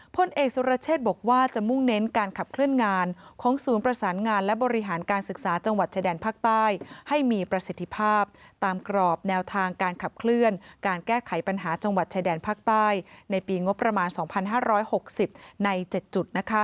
พลเอกสุรเชษบอกว่าจะมุ่งเน้นการขับเคลื่อนงานของศูนย์ประสานงานและบริหารการศึกษาจังหวัดชายแดนภาคใต้ให้มีประสิทธิภาพตามกรอบแนวทางการขับเคลื่อนการแก้ไขปัญหาจังหวัดชายแดนภาคใต้ในปีงบประมาณ๒๕๖๐ใน๗จุด